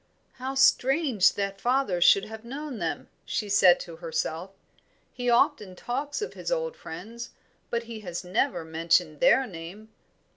"How strange that father should have known them!" she said to herself. "He often talks of his old friends, but he has never mentioned their name.